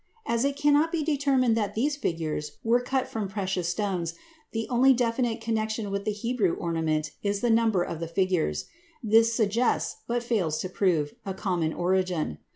As it cannot be determined that these figures were cut from precious stones, the only definite connection with the Hebrew ornament is the number of the figures; this suggests, but fails to prove, a common origin.